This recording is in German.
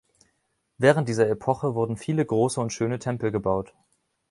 Während dieser Epoche wurden viele große und schöne Tempel gebaut.